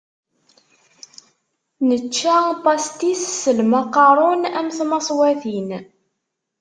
Nečča pastis s lmaqarun am tmaṣwatin.